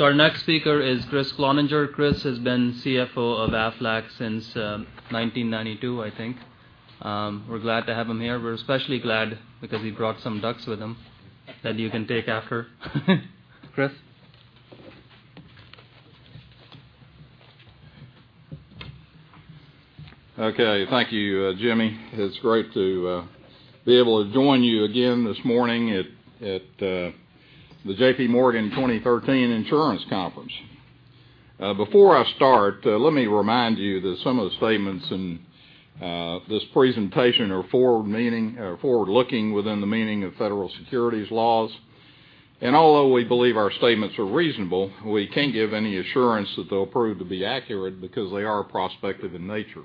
Our next speaker is Kriss Cloninger. Kriss has been CFO of Aflac since 1992, I think. We're glad to have him here. We're especially glad because he brought some ducks with him that you can take after. Kriss? Okay. Thank you, Jimmy. It's great to be able to join you again this morning at the JPMorgan 2013 Insurance Conference. Although we believe our statements are reasonable, we can't give any assurance that they'll prove to be accurate because they are prospective in nature.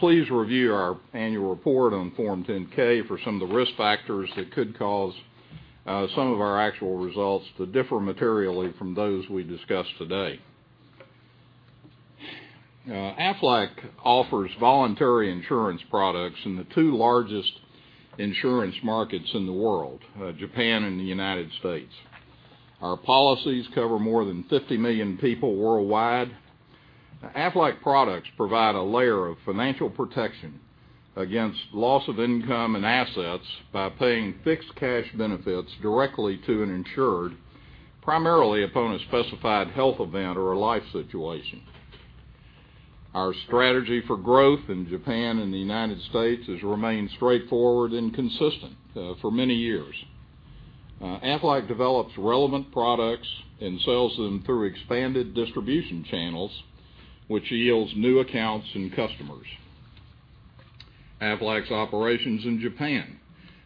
Please review our annual report on Form 10-K for some of the risk factors that could cause some of our actual results to differ materially from those we discuss today. Aflac offers voluntary insurance products in the two largest insurance markets in the world, Japan and the U.S. Our policies cover more than 50 million people worldwide. Aflac products provide a layer of financial protection against loss of income and assets by paying fixed cash benefits directly to an insured, primarily upon a specified health event or a life situation. Our strategy for growth in Japan and the U.S. has remained straightforward and consistent for many years. Aflac develops relevant products and sells them through expanded distribution channels, which yields new accounts and customers. Aflac's operations in Japan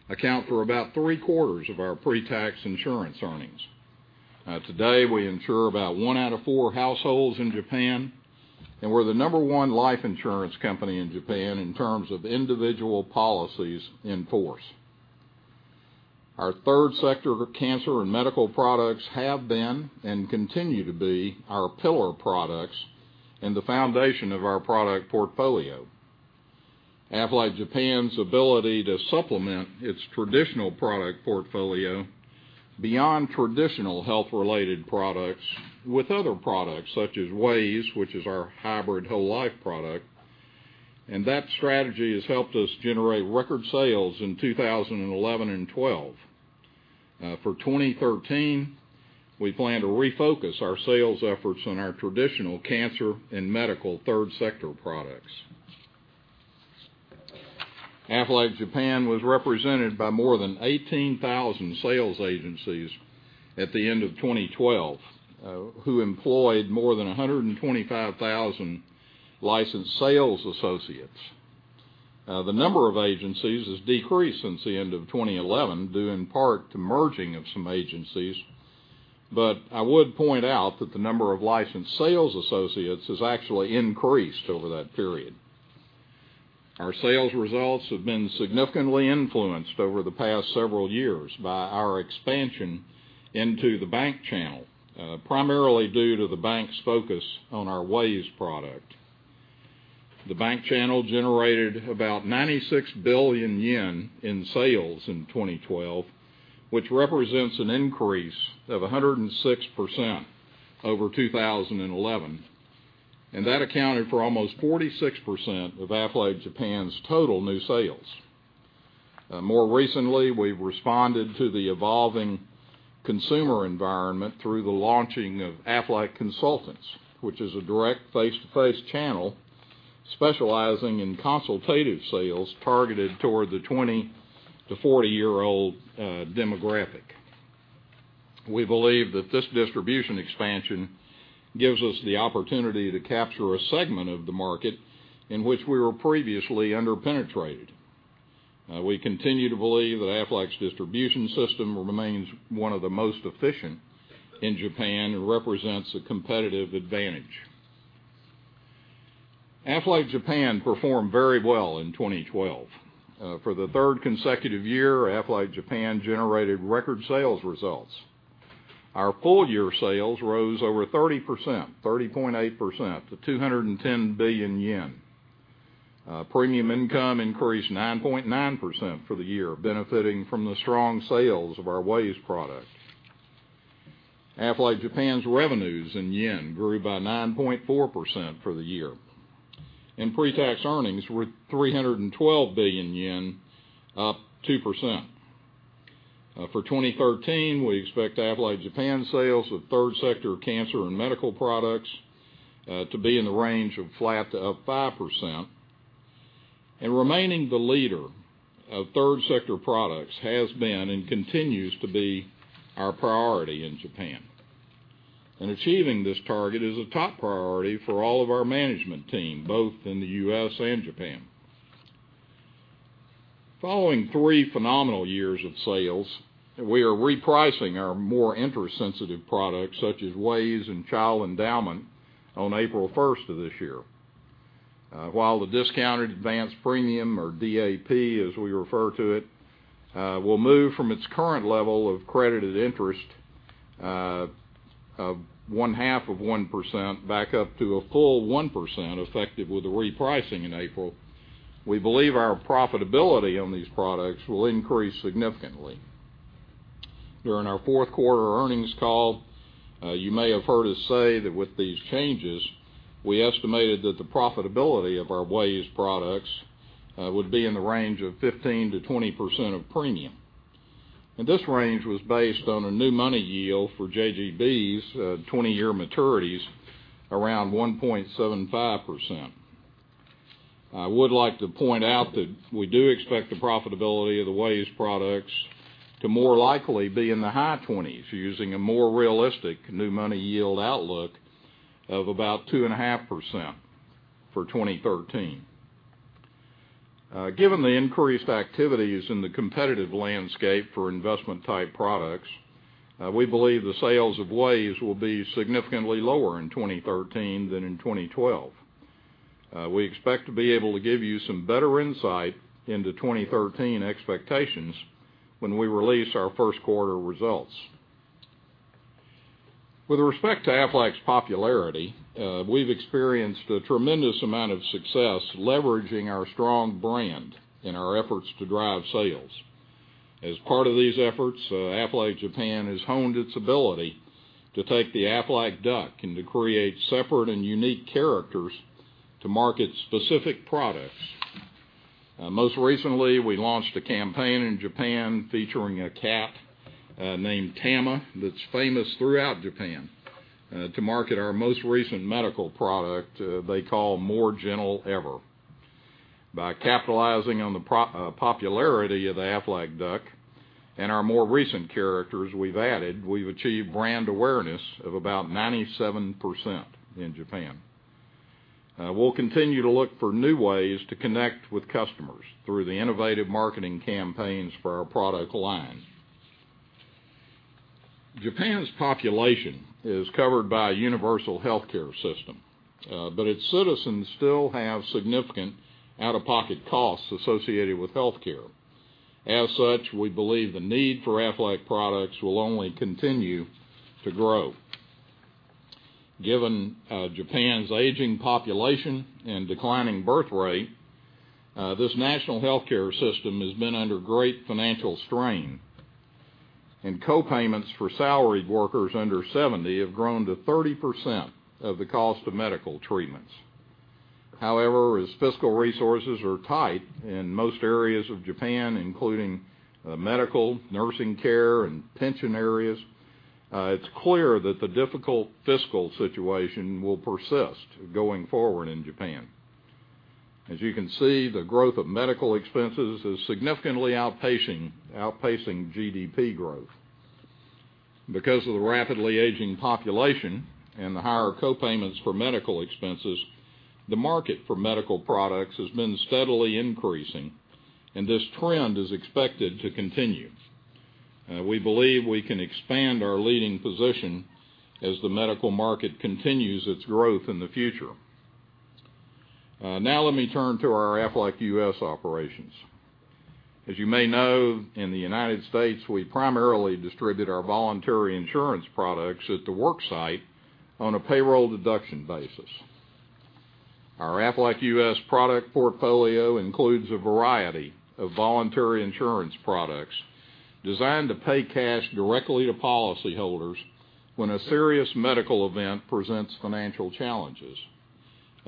account for about three-quarters of our pre-tax insurance earnings. Today, we insure about one out of four households in Japan, and we're the number one life insurance company in Japan in terms of individual policies in force. Our third sector cancer and medical products have been and continue to be our pillar products and the foundation of our product portfolio. Aflac Japan's ability to supplement its traditional product portfolio beyond traditional health-related products with other products such as WAYS, which is our hybrid whole life product, that strategy has helped us generate record sales in 2011 and 2012. For 2013, we plan to refocus our sales efforts on our traditional cancer and medical third sector products. Aflac Japan was represented by more than 18,000 sales agencies at the end of 2012, who employed more than 125,000 licensed sales associates. The number of agencies has decreased since the end of 2011, due in part to merging of some agencies. I would point out that the number of licensed sales associates has actually increased over that period. Our sales results have been significantly influenced over the past several years by our expansion into the bank channel, primarily due to the bank's focus on our WAYS product. The bank channel generated about 96 billion yen in sales in 2012, which represents an increase of 106% over 2011. That accounted for almost 46% of Aflac Japan's total new sales. More recently, we've responded to the evolving consumer environment through the launching of Aflac Consultants, which is a direct face-to-face channel specializing in consultative sales targeted toward the 20 to 40-year-old demographic. We believe that this distribution expansion gives us the opportunity to capture a segment of the market in which we were previously under-penetrated. We continue to believe that Aflac's distribution system remains one of the most efficient in Japan and represents a competitive advantage. Aflac Japan performed very well in 2012. For the third consecutive year, Aflac Japan generated record sales results. Our full-year sales rose over 30.8%, to 210 billion yen. Premium income increased 9.9% for the year, benefiting from the strong sales of our WAYS product. Aflac Japan's revenues in JPY grew by 9.4% for the year. Pre-tax earnings were 312 billion yen, up 2%. For 2013, we expect Aflac Japan sales of third sector cancer and medical products to be in the range of flat to up 5%. Remaining the leader of third sector products has been and continues to be our priority in Japan. Achieving this target is a top priority for all of our management team, both in the U.S. and Japan. Following three phenomenal years of sales, we are repricing our more interest-sensitive products such as WAYS and Child Endowment on April 1st of this year. While the discounted advanced premium, or DAP as we refer to it, will move from its current level of credited interest of one half of 1% back up to a full 1%, effective with the repricing in April. We believe our profitability on these products will increase significantly. During our fourth quarter earnings call, you may have heard us say that with these changes, we estimated that the profitability of our WAYS products would be in the range of 15%-20% of premium. This range was based on a new money yield for JGB's 20-year maturities around 1.75%. I would like to point out that we do expect the profitability of the WAYS products to more likely be in the high 20s using a more realistic new money yield outlook of about 2.5% for 2013. Given the increased activities in the competitive landscape for investment-type products, we believe the sales of WAYS will be significantly lower in 2013 than in 2012. We expect to be able to give you some better insight into 2013 expectations when we release our first quarter results. With respect to Aflac's popularity, we've experienced a tremendous amount of success leveraging our strong brand in our efforts to drive sales. As part of these efforts, Aflac Japan has honed its ability to take the Aflac duck and to create separate and unique characters to market specific products. Most recently, we launched a campaign in Japan featuring a cat named Tama, that's famous throughout Japan, to market our most recent medical product they call More Gentle EVER. By capitalizing on the popularity of the Aflac duck and our more recent characters we've added, we've achieved brand awareness of about 97% in Japan. We'll continue to look for new ways to connect with customers through the innovative marketing campaigns for our product line. Japan's population is covered by a universal healthcare system, but its citizens still have significant out-of-pocket costs associated with healthcare. As such, we believe the need for Aflac products will only continue to grow. Given Japan's aging population and declining birth rate, this national healthcare system has been under great financial strain, and co-payments for salaried workers under 70 have grown to 30% of the cost of medical treatments. However, as fiscal resources are tight in most areas of Japan, including medical, nursing care, and pension areas, it's clear that the difficult fiscal situation will persist going forward in Japan. As you can see, the growth of medical expenses is significantly outpacing GDP growth. Because of the rapidly aging population and the higher co-payments for medical expenses, the market for medical products has been steadily increasing, and this trend is expected to continue. We believe we can expand our leading position as the medical market continues its growth in the future. Now let me turn to our Aflac U.S. operations. As you may know, in the United States, we primarily distribute our voluntary insurance products at the worksite on a payroll deduction basis. Our Aflac U.S. product portfolio includes a variety of voluntary insurance products designed to pay cash directly to policyholders when a serious medical event presents financial challenges.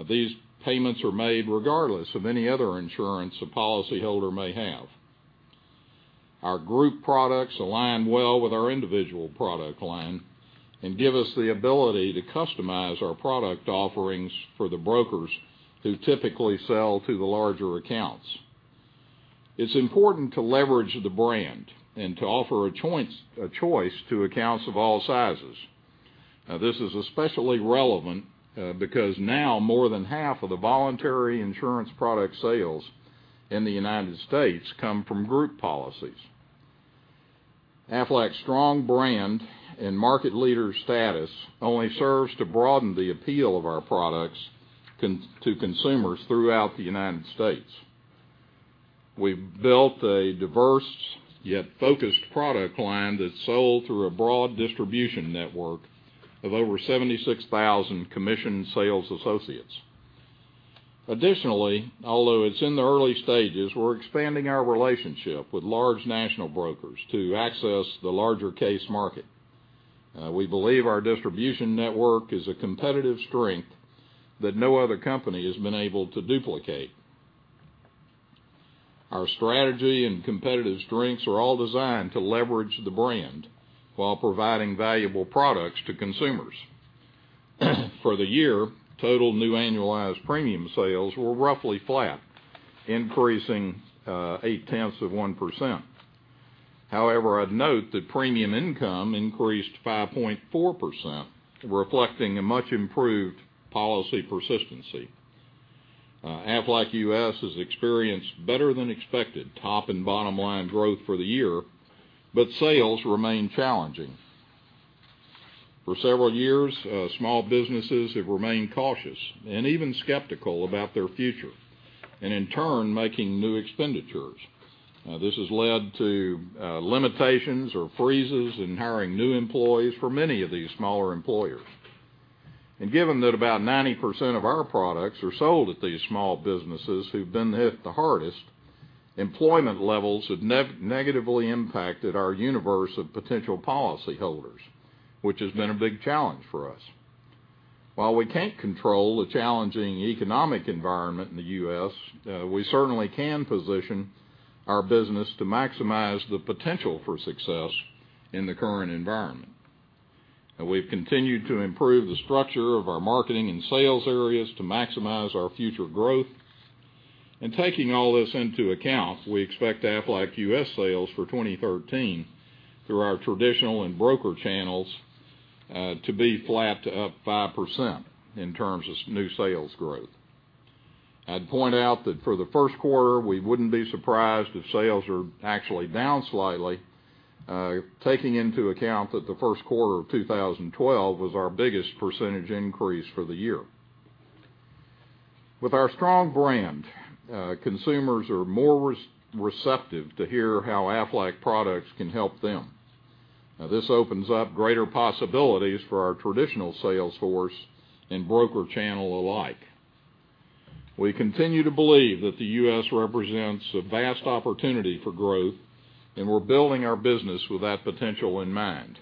These payments are made regardless of any other insurance a policyholder may have. Our group products align well with our individual product line and give us the ability to customize our product offerings for the brokers who typically sell to the larger accounts. It's important to leverage the brand and to offer a choice to accounts of all sizes. This is especially relevant because now more than half of the voluntary insurance product sales in the United States come from group policies. Aflac's strong brand and market leader status only serves to broaden the appeal of our products to consumers throughout the United States. We've built a diverse yet focused product line that's sold through a broad distribution network of over 76,000 commissioned sales associates. Additionally, although it's in the early stages, we're expanding our relationship with large national brokers to access the larger case market. We believe our distribution network is a competitive strength that no other company has been able to duplicate. Our strategy and competitive strengths are all designed to leverage the brand while providing valuable products to consumers. For the year, total new annualized premium sales were roughly flat, increasing eight tenths of 1%. However, I'd note that premium income increased 5.4%, reflecting a much improved policy persistency. Aflac U.S. has experienced better than expected top and bottom line growth for the year, but sales remain challenging. For several years, small businesses have remained cautious and even skeptical about their future, and in turn, making new expenditures. This has led to limitations or freezes in hiring new employees for many of these smaller employers. Given that about 90% of our products are sold at these small businesses who've been hit the hardest, employment levels have negatively impacted our universe of potential policyholders, which has been a big challenge for us. While we can't control the challenging economic environment in the U.S., we certainly can position our business to maximize the potential for success in the current environment. We've continued to improve the structure of our marketing and sales areas to maximize our future growth. Taking all this into account, we expect Aflac U.S. sales for 2013, through our traditional and broker channels, to be flat to up 5% in terms of new sales growth. I'd point out that for the first quarter, we wouldn't be surprised if sales are actually down slightly, taking into account that the first quarter of 2012 was our biggest percentage increase for the year. With our strong brand, consumers are more receptive to hear how Aflac products can help them. This opens up greater possibilities for our traditional sales force and broker channel alike. We continue to believe that the U.S. represents a vast opportunity for growth, we're building our business with that potential in mind.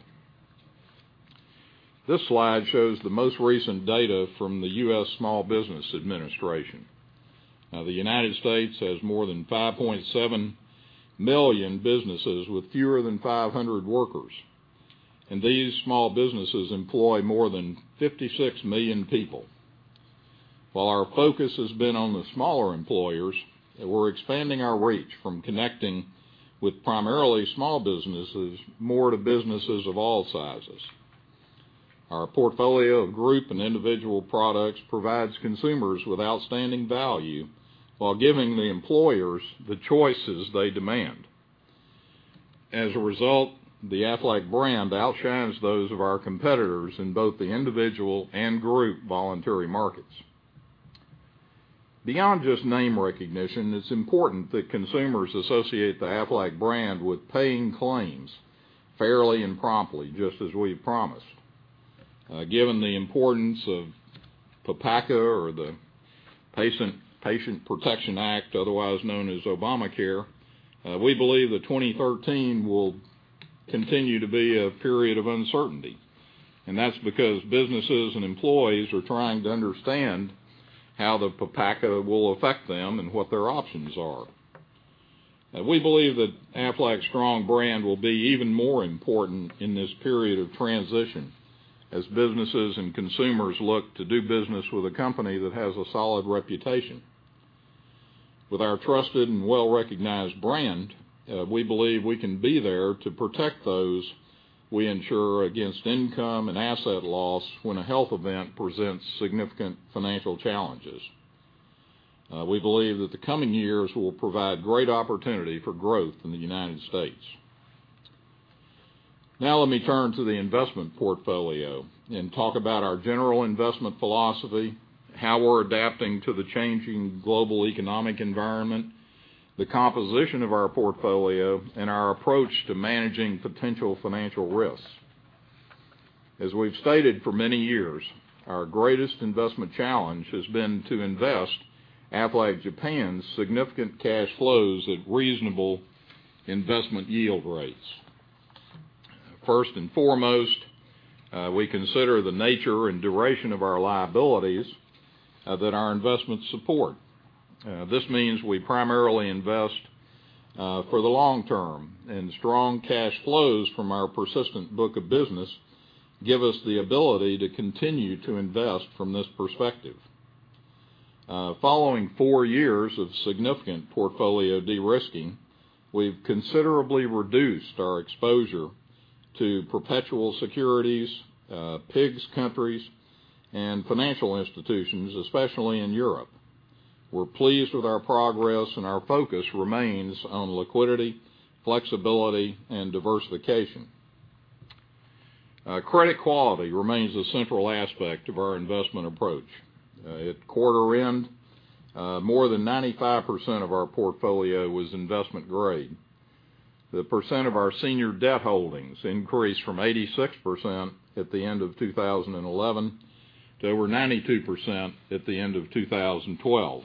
This slide shows the most recent data from the U.S. Small Business Administration. The United States has more than 5.7 million businesses with fewer than 500 workers, and these small businesses employ more than 56 million people. While our focus has been on the smaller employers, we're expanding our reach from connecting with primarily small businesses, more to businesses of all sizes. Our portfolio of group and individual products provides consumers with outstanding value while giving the employers the choices they demand. As a result, the Aflac brand outshines those of our competitors in both the individual and group voluntary markets. Beyond just name recognition, it's important that consumers associate the Aflac brand with paying claims fairly and promptly, just as we promised. Given the importance of PPACA, or the Patient Protection Act, otherwise known as Obamacare, we believe that 2013 will continue to be a period of uncertainty. That's because businesses and employees are trying to understand how the PPACA will affect them and what their options are. We believe that Aflac's strong brand will be even more important in this period of transition as businesses and consumers look to do business with a company that has a solid reputation. With our trusted and well-recognized brand, we believe we can be there to protect those we insure against income and asset loss when a health event presents significant financial challenges. We believe that the coming years will provide great opportunity for growth in the United States. Let me turn to the investment portfolio and talk about our general investment philosophy, how we're adapting to the changing global economic environment, the composition of our portfolio, and our approach to managing potential financial risks. As we've stated for many years, our greatest investment challenge has been to invest Aflac Japan's significant cash flows at reasonable investment yield rates. First and foremost, we consider the nature and duration of our liabilities that our investments support. This means we primarily invest for the long term, and strong cash flows from our persistent book of business give us the ability to continue to invest from this perspective. Following four years of significant portfolio de-risking, we've considerably reduced our exposure to perpetual securities, PIGS countries, and financial institutions, especially in Europe. Our focus remains on liquidity, flexibility, and diversification. Credit quality remains a central aspect of our investment approach. At quarter end, more than 95% of our portfolio was investment grade. The percent of our senior debt holdings increased from 86% at the end of 2011 to over 92% at the end of 2012.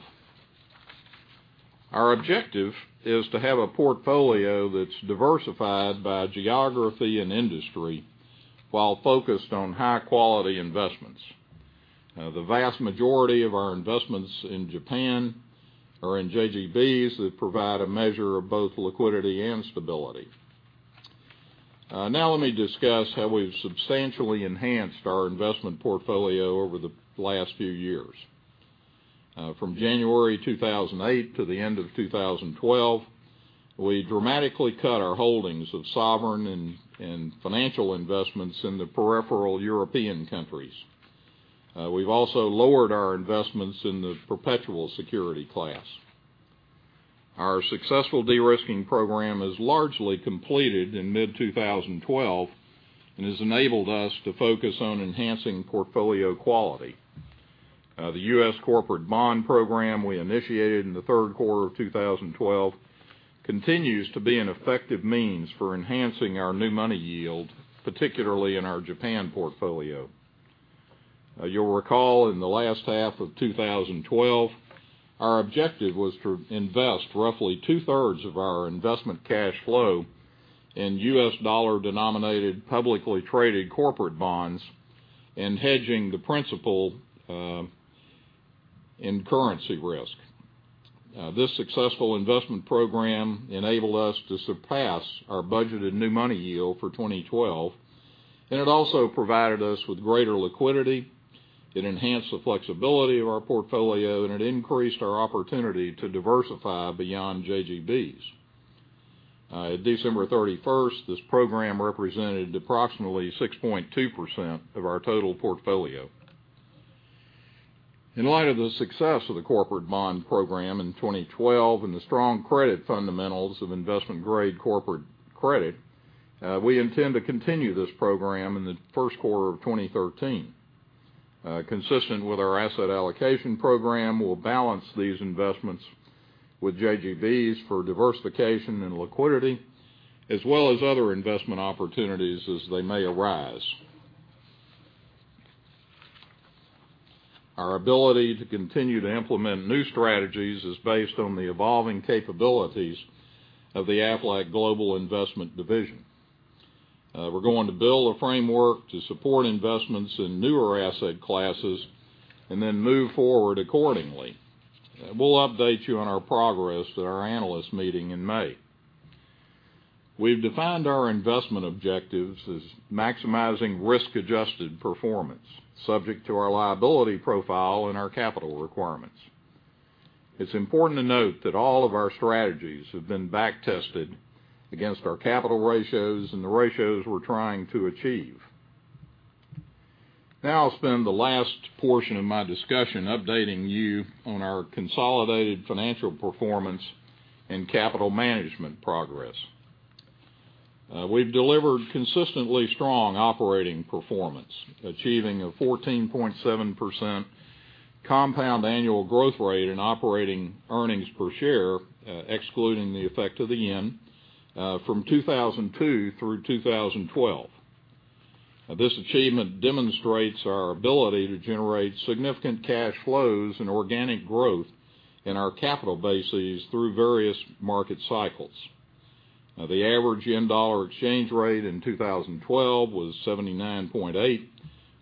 Our objective is to have a portfolio that's diversified by geography and industry while focused on high-quality investments. The vast majority of our investments in Japan are in JGBs that provide a measure of both liquidity and stability. Let me discuss how we've substantially enhanced our investment portfolio over the last few years. From January 2008 to the end of 2012, we dramatically cut our holdings of sovereign and financial investments in the peripheral European countries. We've also lowered our investments in the perpetual security class. Our successful de-risking program is largely completed in mid-2012 and has enabled us to focus on enhancing portfolio quality. The U.S. corporate bond program we initiated in the third quarter of 2012 continues to be an effective means for enhancing our new money yield, particularly in our Japan portfolio. You'll recall in the last half of 2012, our objective was to invest roughly two-thirds of our investment cash flow in U.S. dollar denominated publicly traded corporate bonds and hedging the principal in currency risk. This successful investment program enabled us to surpass our budgeted new money yield for 2012, and it also provided us with greater liquidity, it enhanced the flexibility of our portfolio, and it increased our opportunity to diversify beyond JGBs. At December 31st, this program represented approximately 6.2% of our total portfolio. In light of the success of the corporate bond program in 2012 and the strong credit fundamentals of investment grade corporate credit, we intend to continue this program in the first quarter of 2013. Consistent with our asset allocation program, we'll balance these investments with JGBs for diversification and liquidity, as well as other investment opportunities as they may arise. Our ability to continue to implement new strategies is based on the evolving capabilities of the Aflac Global Investments Division. We're going to build a framework to support investments in newer asset classes to move forward accordingly. We'll update you on our progress at our analyst meeting in May. We've defined our investment objectives as maximizing risk adjusted performance subject to our liability profile and our capital requirements. It's important to note that all of our strategies have been back tested against our capital ratios and the ratios we're trying to achieve. I'll spend the last portion of my discussion updating you on our consolidated financial performance and capital management progress. We've delivered consistently strong operating performance, achieving a 14.7% compound annual growth rate in operating earnings per share, excluding the effect of the yen from 2002 through 2012. This achievement demonstrates our ability to generate significant cash flows and organic growth in our capital bases through various market cycles. The average yen dollar exchange rate in 2012 was 79.8,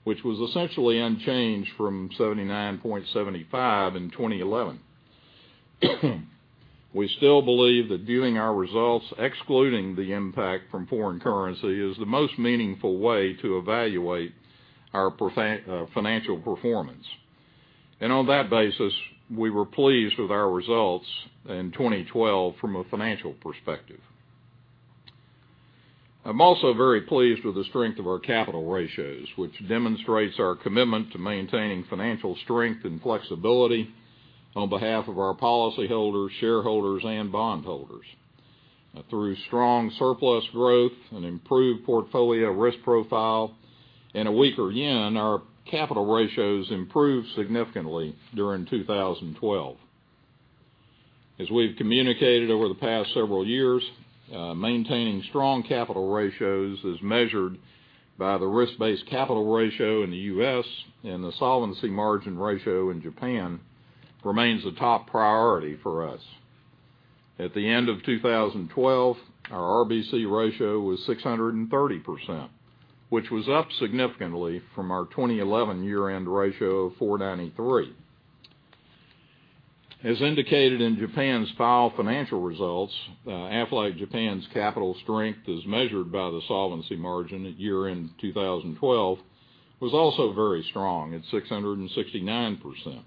which was essentially unchanged from 79.75 in 2011. We still believe that viewing our results excluding the impact from foreign currency is the most meaningful way to evaluate our financial performance. On that basis, we were pleased with our results in 2012 from a financial perspective. I'm also very pleased with the strength of our capital ratios, which demonstrates our commitment to maintaining financial strength and flexibility on behalf of our policyholders, shareholders, and bondholders. Through strong surplus growth, an improved portfolio risk profile, and a weaker yen, our capital ratios improved significantly during 2012. As we've communicated over the past several years, maintaining strong capital ratios as measured by the risk-based capital ratio in the U.S. and the solvency margin ratio in Japan remains a top priority for us. At the end of 2012, our RBC ratio was 630%, which was up significantly from our 2011 year-end ratio of 493%. As indicated in Japan's filed financial results, Aflac Japan's capital strength as measured by the solvency margin at year-end 2012 was also very strong at 669%.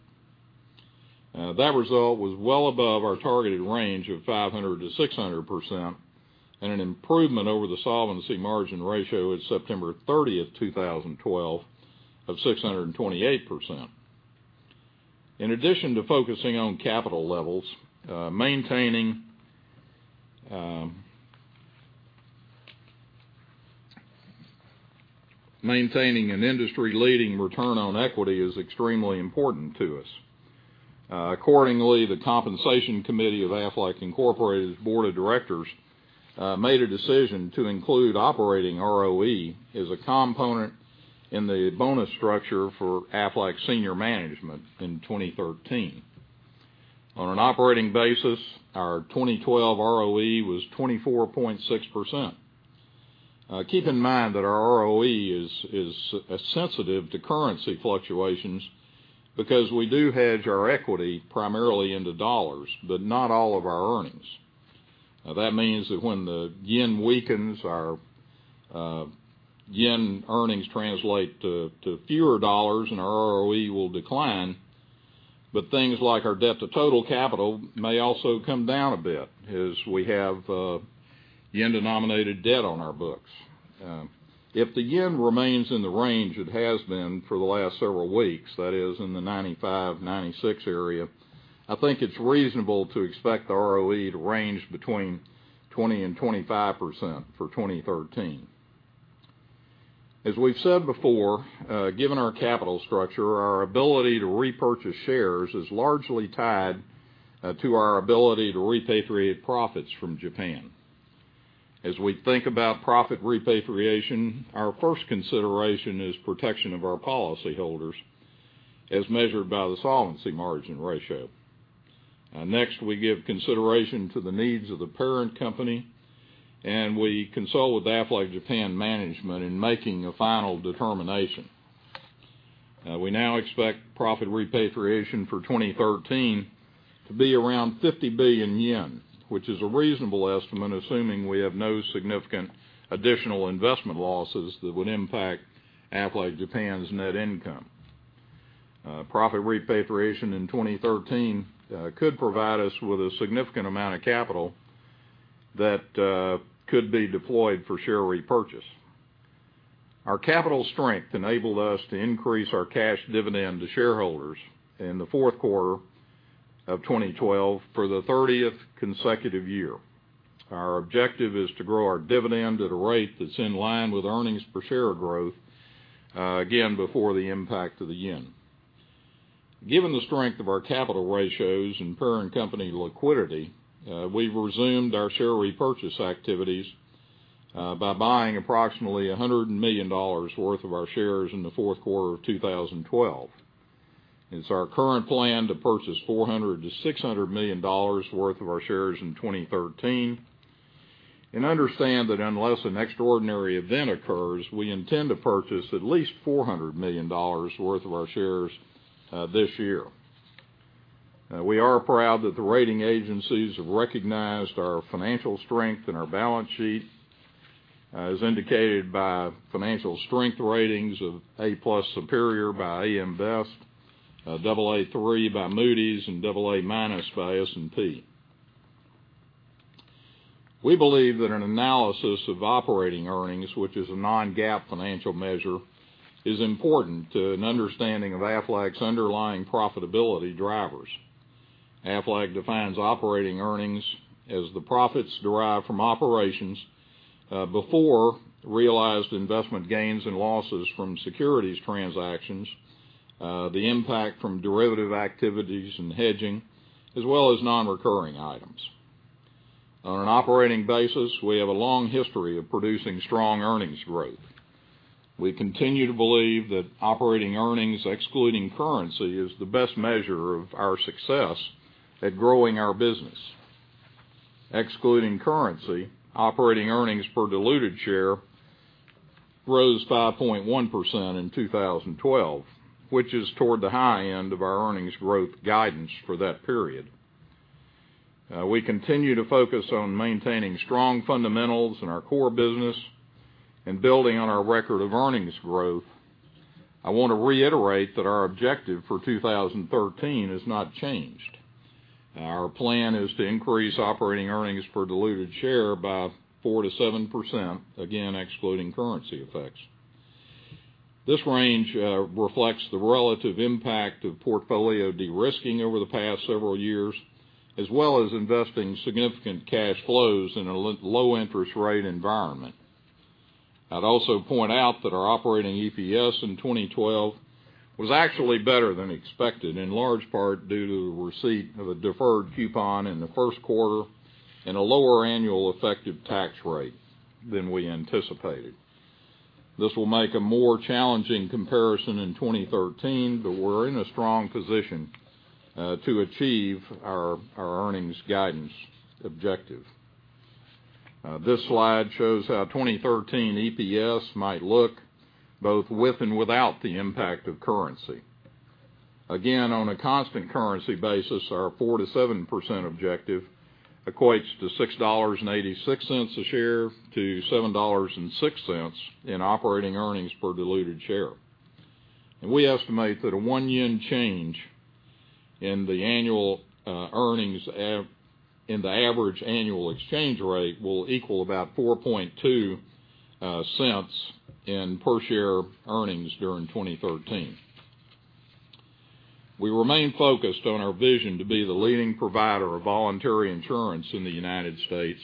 That result was well above our targeted range of 500%-600%, and an improvement over the solvency margin ratio at September 30th, 2012 of 628%. In addition to focusing on capital levels, maintaining an industry leading return on equity is extremely important to us. Accordingly, the compensation committee of Aflac Incorporated's board of directors made a decision to include operating ROE as a component in the bonus structure for Aflac senior management in 2013. On an operating basis, our 2012 ROE was 24.6%. Keep in mind that our ROE is sensitive to currency fluctuations because we do hedge our equity primarily into dollars, but not all of our earnings. That means that when the yen weakens, our yen earnings translate to fewer dollars and our ROE will decline, but things like our debt to total capital may also come down a bit as we have yen denominated debt on our books. If the yen remains in the range it has been for the last several weeks, that is in the 95-96 area, I think it's reasonable to expect the ROE to range between 20%-25% for 2013. As we've said before, given our capital structure, our ability to repurchase shares is largely tied to our ability to repatriate profits from Japan. As we think about profit repatriation, our first consideration is protection of our policyholders, as measured by the solvency margin ratio. Next, we give consideration to the needs of the parent company, and we consult with Aflac Japan management in making a final determination. We now expect profit repatriation for 2013 to be around 50 billion yen, which is a reasonable estimate, assuming we have no significant additional investment losses that would impact Aflac Japan's net income. Profit repatriation in 2013 could provide us with a significant amount of capital that could be deployed for share repurchase. Our capital strength enabled us to increase our cash dividend to shareholders in the fourth quarter of 2012 for the 30th consecutive year. Our objective is to grow our dividend at a rate that's in line with earnings per share growth, again, before the impact of the yen. Given the strength of our capital ratios and parent company liquidity, we've resumed our share repurchase activities by buying approximately $100 million worth of our shares in the fourth quarter of 2012. It's our current plan to purchase $400 million-$600 million worth of our shares in 2013. Understand that unless an extraordinary event occurs, we intend to purchase at least $400 million worth of our shares this year. We are proud that the rating agencies have recognized our financial strength and our balance sheet, as indicated by financial strength ratings of A+ Superior by AM Best, Aa3 by Moody's, and AA- by S&P. We believe that an analysis of operating earnings, which is a non-GAAP financial measure, is important to an understanding of Aflac's underlying profitability drivers. Aflac defines operating earnings as the profits derived from operations before realized investment gains and losses from securities transactions, the impact from derivative activities and hedging, as well as non-recurring items. On an operating basis, we have a long history of producing strong earnings growth. We continue to believe that operating earnings, excluding currency, is the best measure of our success at growing our business. Excluding currency, operating earnings per diluted share rose 5.1% in 2012, which is toward the high end of our earnings growth guidance for that period. We continue to focus on maintaining strong fundamentals in our core business and building on our record of earnings growth. I want to reiterate that our objective for 2013 has not changed. Our plan is to increase operating earnings per diluted share by 4%-7%, again, excluding currency effects. This range reflects the relative impact of portfolio de-risking over the past several years, as well as investing significant cash flows in a low interest rate environment. I'd also point out that our operating EPS in 2012 was actually better than expected, in large part due to receipt of a deferred coupon in the first quarter and a lower annual effective tax rate than we anticipated. This will make a more challenging comparison in 2013. We're in a strong position to achieve our earnings guidance objective. This slide shows how 2013 EPS might look both with and without the impact of currency. On a constant currency basis, our 4%-7% objective equates to $6.86 a share-$7.06 in operating earnings per diluted share. We estimate that a one yen change in the average annual exchange rate will equal about $0.042 in per share earnings during 2013. We remain focused on our vision to be the leading provider of voluntary insurance in the United States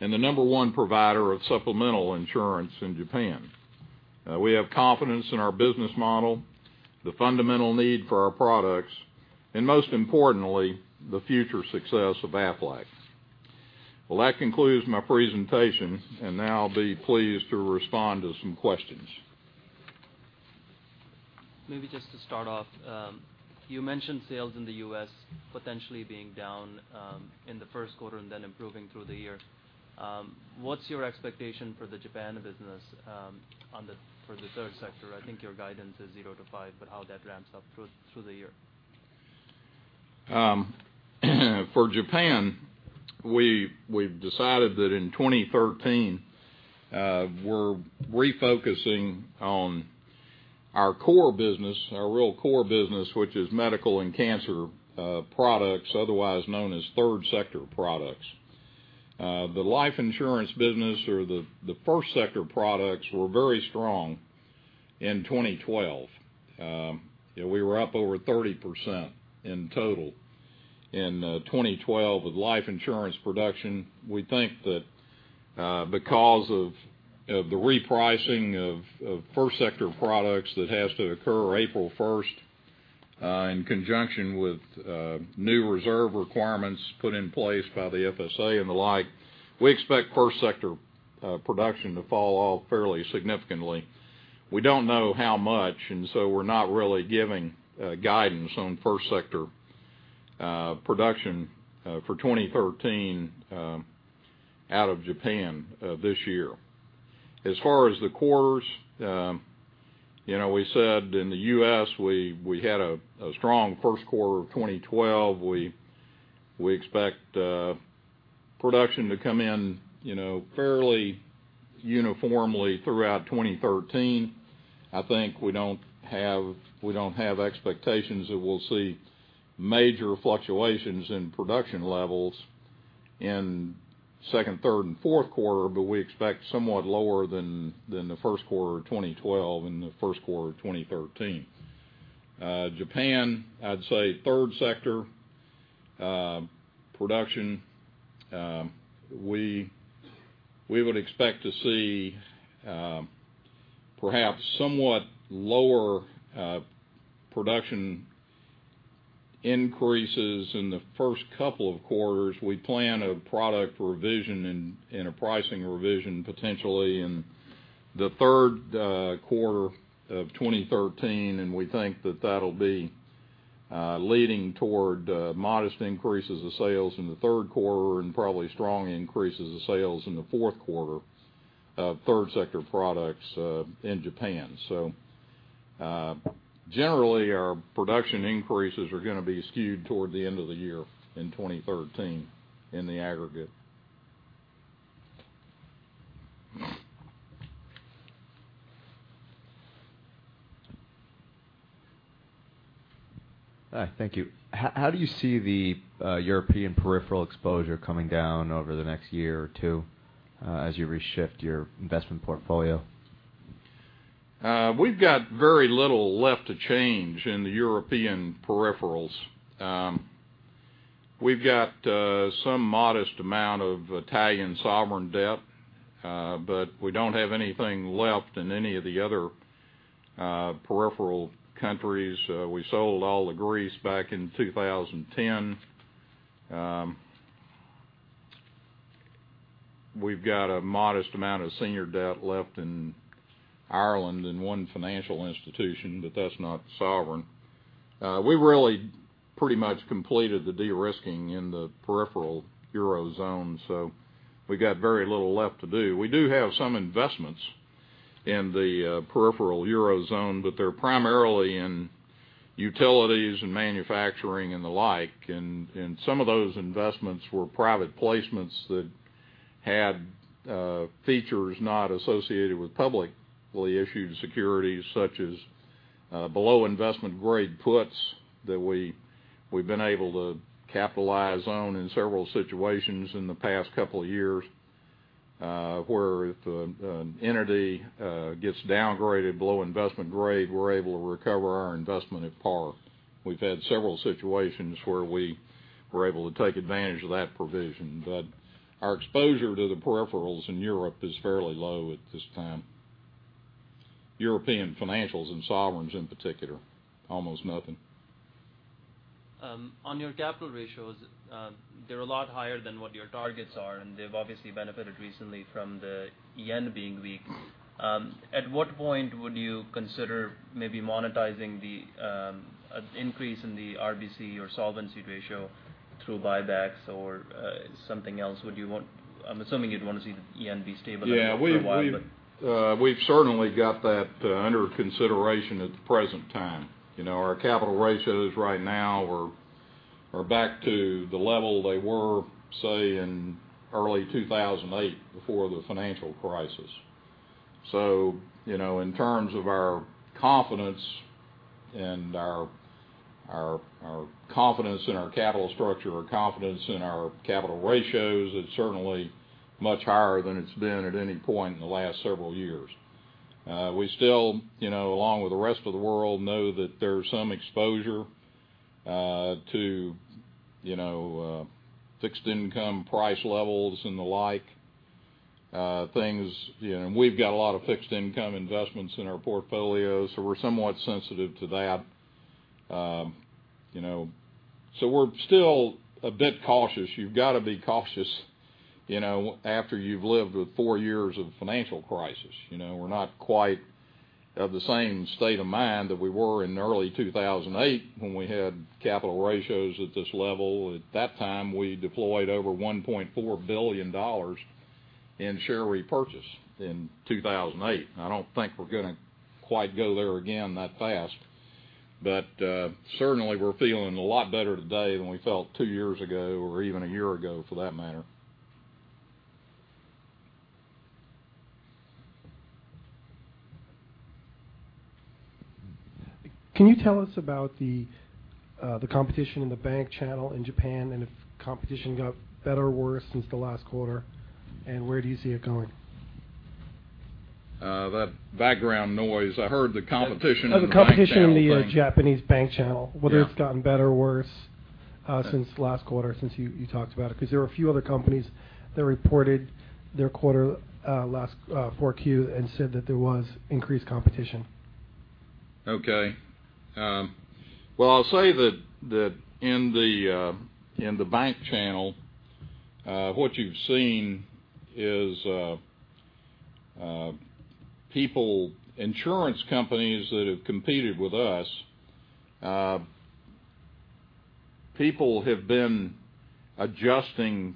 and the number one provider of supplemental insurance in Japan. We have confidence in our business model, the fundamental need for our products, and most importantly, the future success of Aflac. Well, that concludes my presentation. Now I'll be pleased to respond to some questions. Maybe just to start off, you mentioned sales in the U.S. potentially being down in the first quarter and then improving through the year. What's your expectation for the Japan business for the third sector? I think your guidance is 0%-5%, but how that ramps up through the year. For Japan, we've decided that in 2013, we're refocusing on our core business, our real core business, which is medical and cancer products, otherwise known as third sector products. The life insurance business or the first sector products were very strong in 2012. We were up over 30% in total in 2012 with life insurance production. We think that because of the repricing of first sector products that has to occur April 1st, in conjunction with new reserve requirements put in place by the FSA and the like, we expect first sector production to fall off fairly significantly. We don't know how much, and so we're not really giving guidance on first sector production for 2013 out of Japan this year. As far as the quarters, we said in the U.S., we had a strong first quarter of 2012. We expect production to come in fairly uniformly throughout 2013. I think we don't have expectations that we'll see major fluctuations in production levels in second, third, and fourth quarter, but we expect somewhat lower than the first quarter of 2012 and the first quarter of 2013. Japan, I'd say third sector production we would expect to see perhaps somewhat lower production increases in the first couple of quarters. We plan a product revision and a pricing revision potentially in the third quarter of 2013, and we think that that'll be leading toward modest increases of sales in the third quarter and probably strong increases of sales in the fourth quarter of third sector products in Japan. Generally, our production increases are going to be skewed toward the end of the year in 2013 in the aggregate. Thank you. How do you see the European peripheral exposure coming down over the next year or two as you reshift your investment portfolio? We've got very little left to change in the European peripherals. We've got some modest amount of Italian sovereign debt, but we don't have anything left in any of the other peripheral countries. We sold all of Greece back in 2010. We've got a modest amount of senior debt left in Ireland in one financial institution, but that's not sovereign. We really pretty much completed the de-risking in the peripheral Eurozone. We got very little left to do. We do have some investments in the peripheral Eurozone, but they're primarily in utilities and manufacturing and the like. Some of those investments were private placements that had features not associated with publicly issued securities, such as below investment grade puts that we've been able to capitalize on in several situations in the past couple of years, where if an entity gets downgraded below investment grade, we're able to recover our investment at par. We've had several situations where we were able to take advantage of that provision. Our exposure to the peripherals in Europe is fairly low at this time. European financials and sovereigns in particular, almost nothing. On your capital ratios, they're a lot higher than what your targets are, and they've obviously benefited recently from the JPY being weak. At what point would you consider maybe monetizing the increase in the RBC or solvency ratio through buybacks or something else? I'm assuming you'd want to see the JPY be stable for a while. We've certainly got that under consideration at the present time. Our capital ratios right now are back to the level they were, say, in early 2008 before the financial crisis. In terms of our confidence in our capital structure, our confidence in our capital ratios, it's certainly much higher than it's been at any point in the last several years. We still, along with the rest of the world, know that there's some exposure to fixed income price levels and the like. We've got a lot of fixed income investments in our portfolio. We're somewhat sensitive to that. We're still a bit cautious. You've got to be cautious after you've lived with four years of financial crisis. We're not quite of the same state of mind that we were in early 2008 when we had capital ratios at this level. At that time, we deployed over $1.4 billion in share repurchase in 2008. I don't think we're going to quite go there again that fast. Certainly, we're feeling a lot better today than we felt two years ago, or even a year ago for that matter. Can you tell us about the competition in the bank channel in Japan, and if competition got better or worse since the last quarter, and where do you see it going? That background noise. I heard the competition in the bank channel thing. The competition in the Japanese bank channel. Yeah. Whether it's gotten better or worse since last quarter, since you talked about it, because there were a few other companies that reported their quarter last 4Q and said that there was increased competition. Okay. Well, I'll say that in the bank channel, what you've seen is insurance companies that have competed with us, people have been adjusting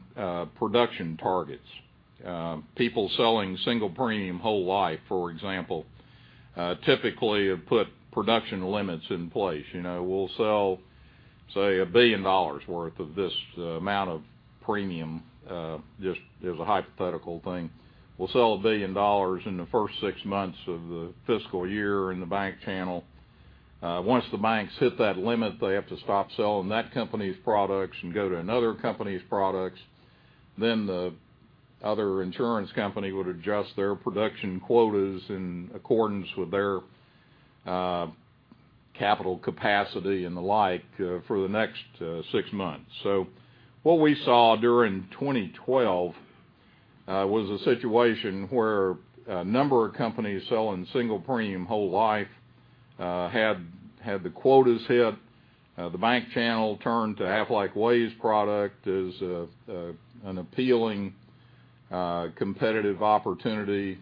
production targets. People selling single premium whole life, for example, typically have put production limits in place. We'll sell, say, JPY 1 billion worth of this amount of premium, just as a hypothetical thing. We'll sell JPY 1 billion in the first six months of the fiscal year in the bank channel. Once the banks hit that limit, they have to stop selling that company's products and go to another company's products. The other insurance company would adjust their production quotas in accordance with their capital capacity and the like for the next six months. What we saw during 2012 was a situation where a number of companies selling single premium whole life had the quotas hit. The bank channel turned to Aflac WAYS product as an appealing competitive opportunity,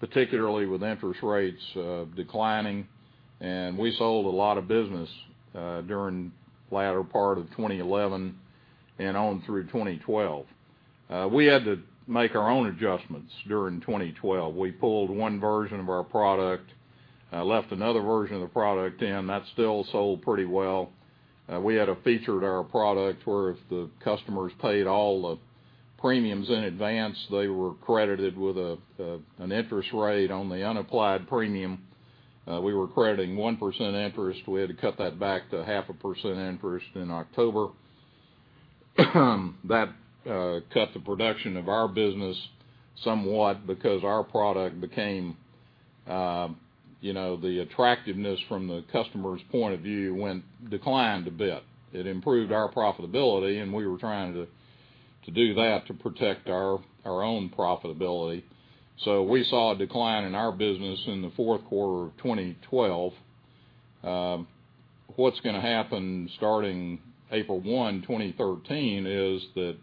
particularly with interest rates declining. We sold a lot of business during the latter part of 2011 and on through 2012. We had to make our own adjustments during 2012. We pulled one version of our product, left another version of the product in. That still sold pretty well. We had a feature to our product where if the customers paid all the premiums in advance, they were credited with an interest rate on the unapplied premium. We were crediting 1% interest. We had to cut that back to 0.5% interest in October. That cut the production of our business somewhat because our product became the attractiveness from the customer's point of view declined a bit. It improved our profitability, and we were trying to do that to protect our own profitability. We saw a decline in our business in the fourth quarter of 2012. What's going to happen starting April 1, 2013, is that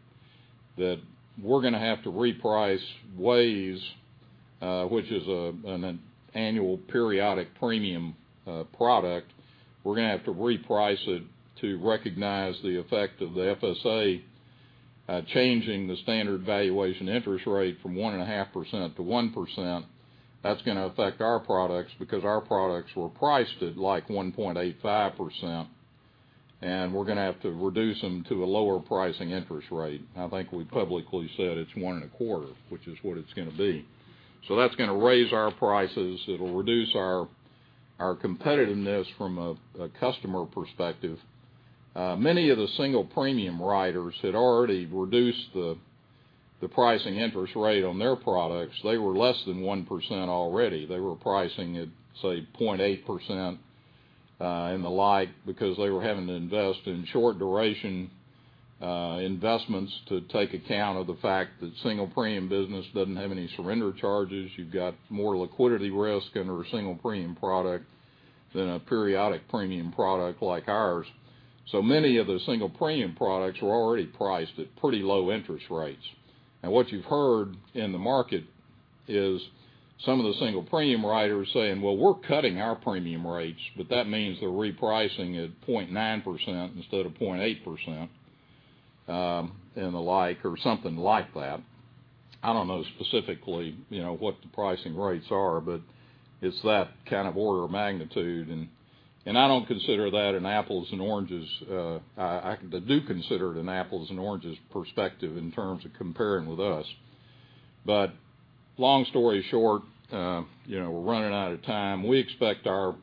we're going to have to reprice WAYS, which is an annual periodic premium product. We're going to have to reprice it to recognize the effect of the FSA changing the standard valuation interest rate from 1.5% to 1%. That's going to affect our products because our products were priced at like 1.85%, and we're going to have to reduce them to a lower pricing interest rate. I think we publicly said it's one and a quarter, which is what it's going to be. That's going to raise our prices. It'll reduce our competitiveness from a customer perspective. Many of the single premium writers had already reduced the pricing interest rate on their products. They were less than 1% already. They were pricing at, say, 0.8% and the like because they were having to invest in short duration investments to take account of the fact that single premium business doesn't have any surrender charges. You've got more liquidity risk under a single premium product than a periodic premium product like ours. Many of the single premium products were already priced at pretty low interest rates. What you've heard in the market is some of the single premium writers saying, "Well, we're cutting our premium rates," but that means they're repricing at 0.9% instead of 0.8%, and the like, or something like that. I don't know specifically what the pricing rates are, but it's that kind of order of magnitude. I don't consider that an apples and oranges. I do consider it an apples and oranges perspective in terms of comparing with us. Long story short, we're running out of time. We expect our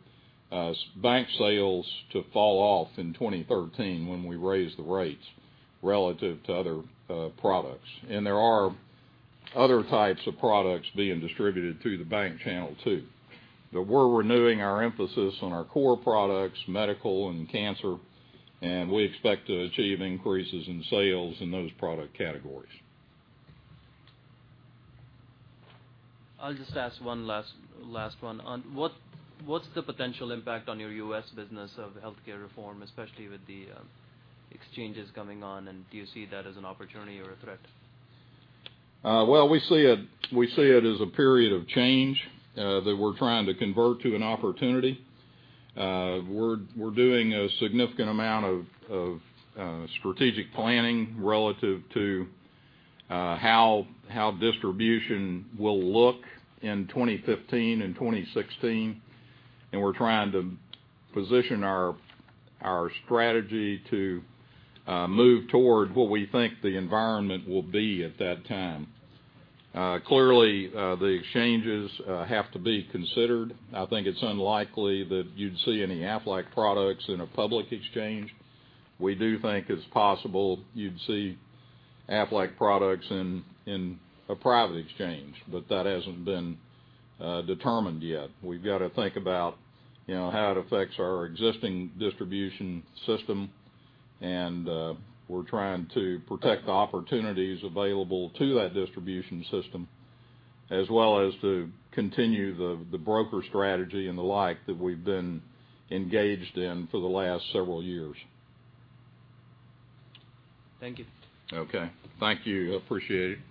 bank sales to fall off in 2013 when we raise the rates relative to other products. There are other types of products being distributed through the bank channel too. We're renewing our emphasis on our core products, medical and cancer, and we expect to achieve increases in sales in those product categories. I'll just ask one last one. What's the potential impact on your U.S. business of healthcare reform, especially with the exchanges coming on, and do you see that as an opportunity or a threat? We see it as a period of change that we're trying to convert to an opportunity. We're doing a significant amount of strategic planning relative to how distribution will look in 2015 and 2016, and we're trying to position our strategy to move toward what we think the environment will be at that time. Clearly, the exchanges have to be considered. I think it's unlikely that you'd see any Aflac products in a public exchange. We do think it's possible you'd see Aflac products in a private exchange, but that hasn't been determined yet. We've got to think about how it affects our existing distribution system, and we're trying to protect the opportunities available to that distribution system as well as to continue the broker strategy and the like that we've been engaged in for the last several years. Thank you. Okay. Thank you. Appreciate it.